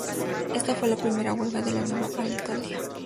Esta fue la primera huelga de la nueva Alitalia.